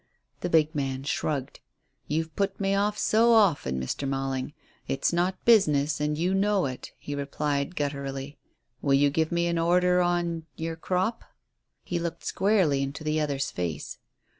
The big man shrugged. "You've put me off so often, Mr. Malling. It's not business, and you know it," he replied gutturally. "Will you give me an order on your crop?" He looked squarely into the other's face.